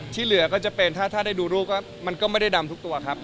เหลือก็จะเป็นถ้าได้ดูรูปก็มันก็ไม่ได้ดำทุกตัวครับ